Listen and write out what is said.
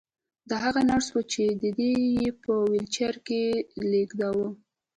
دا هغه نرس وه چې دی یې په ويلچر کې لېږداوه